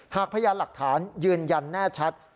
หากเพราะลักษณ์ยืนยันแน่ชัด